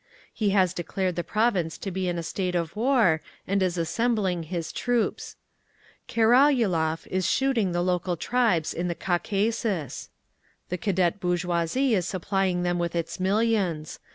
He has declared the province to be in a state of war and is assembling his troops. Karaulov is shooting the local tribes in the Caucasus. The Cadet bourgeoisie is supplying them with its millions.